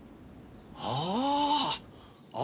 ああ！